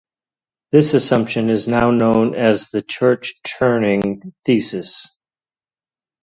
This assumption is now known as the Church-Turing thesis.